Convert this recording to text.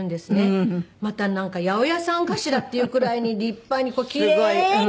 またなんか八百屋さんかしらっていうくらいに立派にこうキレイに。